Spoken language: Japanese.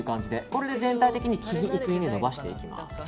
これで全体的に均一に伸ばしていきます。